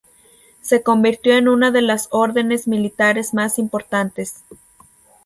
Se convirtió en una de las órdenes militares más importantes.